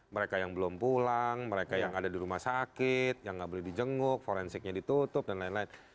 mereka yang belum pulang mereka yang ada di rumah sakit yang nggak boleh di jenguk forensiknya ditutup dan lain lain